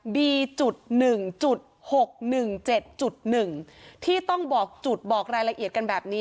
บีจุดหนึ่งจุดหกหนึ่งเจ็ดจุดหนึ่งที่ต้องบอกจุดบอกรายละเอียดกันแบบนี้